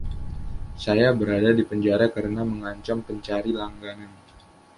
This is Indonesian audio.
Saya berada di penjara karena mengancam pencari langganan.